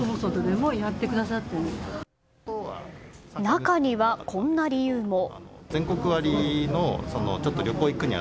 中には、こんな理由も。